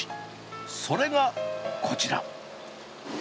それがこちら。